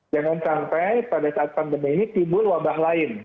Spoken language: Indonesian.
jangan sampai pada saat pandemi ini timbul wabah lain